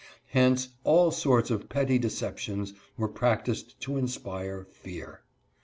Hence all sorts of petty deceptions were practiced to inspire fear.